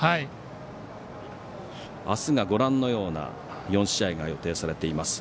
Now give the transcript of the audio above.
明日がご覧のような４試合が予定されています。